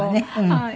はい。